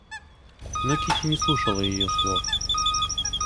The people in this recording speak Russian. Но Кити не слушала ее слов.